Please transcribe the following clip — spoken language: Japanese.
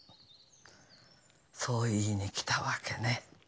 そう言いに来たわけね。